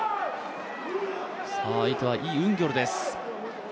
相手はイ・ウンギョルです。